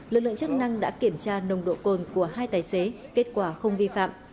lực lượng chức năng đã kiểm tra nồng độ cồn của hai tài xế kết quả không vi phạm